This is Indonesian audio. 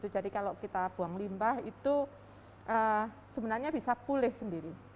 jadi kalau kita buang limbah itu sebenarnya bisa pulih sendiri